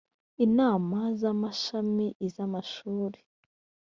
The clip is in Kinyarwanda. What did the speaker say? inama z amashami iz amashuri